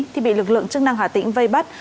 thì bị lực lượng chức năng hà tĩnh vây bắt